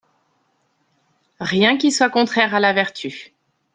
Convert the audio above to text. Rien qui soit contraire à la vertu.